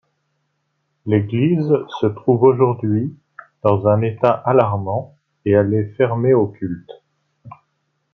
L'église se trouve aujourd'hui dans un état alarmant et elle est fermée au culte.